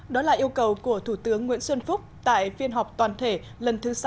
đó là yêu cầu của thủ tướng nguyễn xuân phúc tại phiên họp toàn thể lần thứ sáu